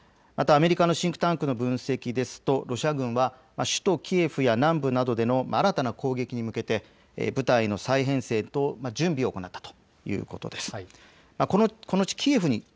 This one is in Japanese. アメリカのシンクタンクの分析ですとロシア軍は首都キエフや南部などでの新たな攻撃に向けて部隊の再編成と準備を行ったということです。